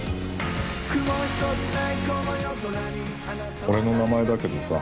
俺の名前だけどさ。